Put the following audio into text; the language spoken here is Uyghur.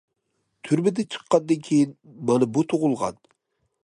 تۈرمىدىن چىققاندىن كېيىن مانا بۇ تۇغۇلغان.